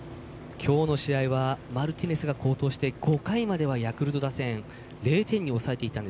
きょうの試合は、マルティネスが好投して５回まではヤクルト０点に抑えていました。